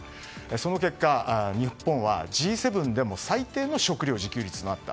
その結果、日本はＧ７でも最低の食料自給率だった。